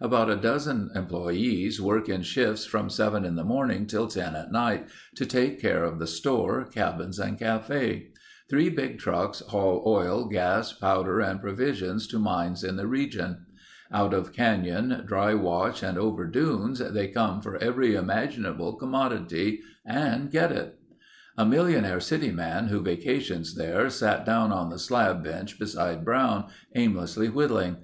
About a dozen employees work in shifts from seven in the morning till ten at night, to take care of the store, cabins, and cafe. Three big trucks haul oil, gas, powder, and provisions to mines in the region. Out of canyon, dry wash, and over dunes they come for every imaginable commodity, and get it. A millionaire city man who vacations there sat down on the slab bench beside Brown, aimlessly whittling.